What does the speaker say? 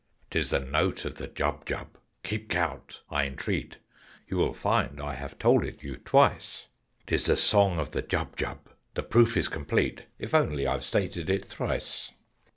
"'Tis the note of the Jubjub! Keep count, I entreat; You will find I have told it you twice. 'Tis the song of the Jubjub! The proof is complete, If only I've stated it thrice."